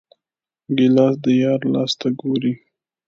ګیلاس د یار لاس ته ګوري.